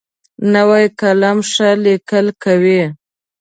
نوی قلم ښه لیکل کوي